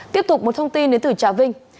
tiếp tục một thông tin đến từ trà vinh